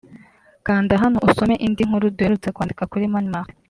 Kanda hano usome indi nkuru duherutse kwandika kuri Mani Martin